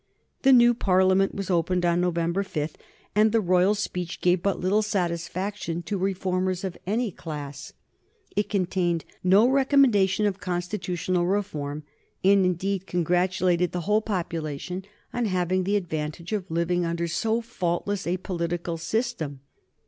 The new Parliament was opened on November 5, and the Royal Speech gave but little satisfaction to reformers of any class. It contained no recommendation of constitutional reform, and indeed congratulated the whole population on having the advantage of living under so faultless a political system.